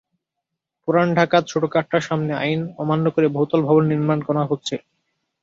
পুরান ঢাকার ছোট কাটরার সামনে আইন অমান্য করে বহুতল ভবন নির্মাণ করা হচ্ছে।